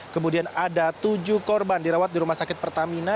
kemudian ada tujuh korban dirawat di rumah sakit pertamina